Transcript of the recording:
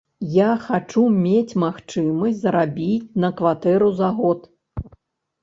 Я хачу мець магчымасць зарабіць на кватэру за год.